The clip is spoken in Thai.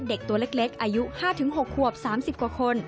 เด็กตัวเล็กอายุ๕๖ขวบ๓๐กว่าคน